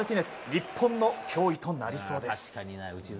日本の脅威となりそうです。